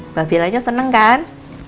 mbak belanya seneng kan